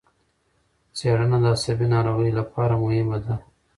څېړنه د عصبي ناروغیو لپاره مهمه ده.